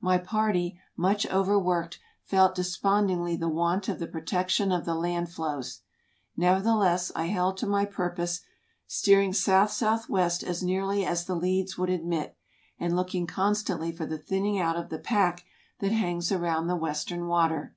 My party, much overworked, felt despondingly the want of the protection of the land floes. Nevertheless, I held to my purpose, steering south south west as nearly as the leads would admit, and looking constantly for the thinning out of the pack that hangs around the western water.